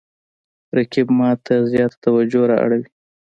رقیب ما ته زیاته توجه را اړوي